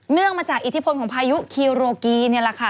งมาจากอิทธิพลของพายุคีโรกีนี่แหละค่ะ